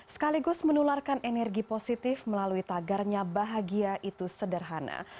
sekaligus menularkan energi positif melalui tagarnya bahagia itu sederhana